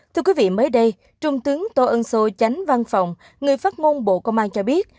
thưa quý vị mới đây trung tướng tô ân sô tránh văn phòng người phát ngôn bộ công an cho biết